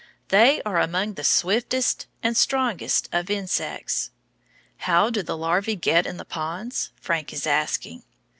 They are among the swiftest and strongest of insects. How do the larvæ get in the ponds? Frank is asking.